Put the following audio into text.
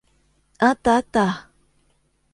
あったあった。